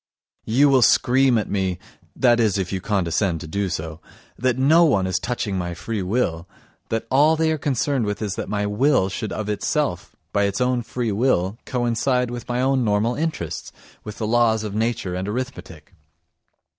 You will scream at me (that is, if you condescend to do so) that no one is touching my free will, that all they are concerned with is that my will should of itself, of its own free will, coincide with my own normal interests, with the laws of nature and arithmetic.